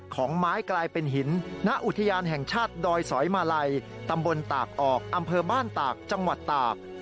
ของไม้กลายเป็นหินณอุทยานแห่งชาติดอยสอยมาลัยตำบลตากออกอำเภอบ้านตากจังหวัดตาก